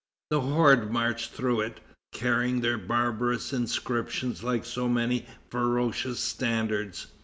The horde marched through it, carrying their barbarous inscriptions like so many ferocious standards.